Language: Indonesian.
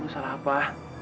lo salah apa